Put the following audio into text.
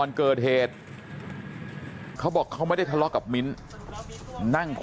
ลูกสาวหลายครั้งแล้วว่าไม่ได้คุยกับแจ๊บเลยลองฟังนะคะ